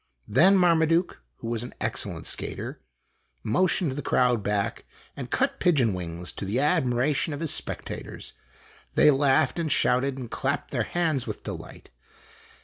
Then Marmaduke, who was an excellent skater, motioned the crowd back, and cut pigeon wings to the admiration of his spectators. They laughed and shouted and clapped their hands with de light.